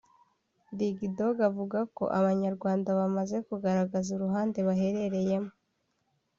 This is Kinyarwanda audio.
Dig Dog avuga ko Abanyarwanda bamaze kugaragaza uruhande baherereyemo